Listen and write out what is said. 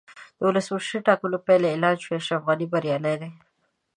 د ولسمشریزو ټاکنو پایلې اعلان شوې، اشرف غني بریالی دی.